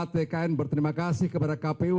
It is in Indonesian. tkn berterima kasih kepada kpu